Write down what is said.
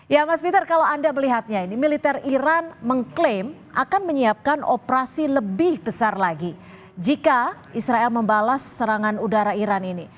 ya mas peter kalau anda melihatnya ini militer iran mengklaim akan menyiapkan operasi lebih besar lagi jika israel membalas serangan udara iran ini